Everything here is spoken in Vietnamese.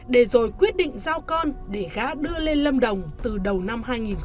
để rồi quyết định giao con để gã đưa lên lâm đồng từ đầu năm hai nghìn một mươi chín